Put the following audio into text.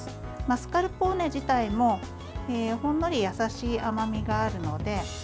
マスカルポーネ自体もほんのり優しい甘みがあるので。